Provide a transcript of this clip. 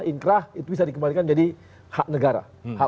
inkrah itu bisa dikembalikan jadi hak negara